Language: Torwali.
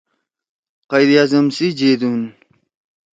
قائداعظم سی جیدُون